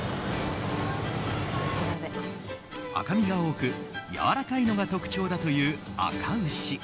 赤身が多くやわらかいのが特徴だという、あか牛。